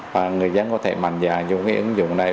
và người dân có thể mạnh dạn dùng cái ứng dụng này